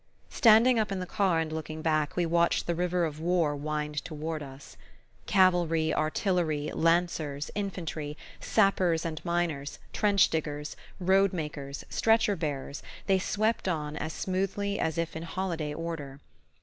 Standing up in the car and looking back, we watched the river of war wind toward us. Cavalry, artillery, lancers, infantry, sappers and miners, trench diggers, road makers, stretcher bearers, they swept on as smoothly as if in holiday order.